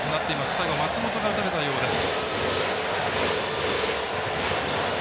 最後、松本が打たれたようです。